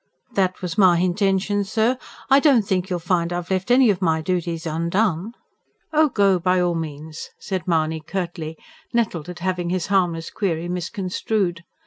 "That was my h'intention, sir. I don't think you'll find I've left any of my dooties undone." "Oh, go, by all means!" said Mahony curtly, nettled at having his harmless query misconstrued.